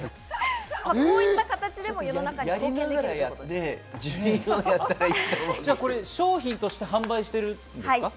こういった形でも世の中に貢献で商品として販売しているんですか？